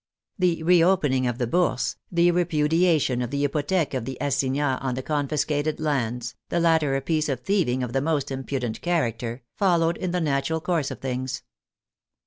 The reopening of the Bourse, the repudiation of the hypothec of the assignats on the confiscated lands, the latter a piece of thieving of the most impudent character, followed in the natural course of things.